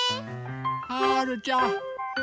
はるちゃん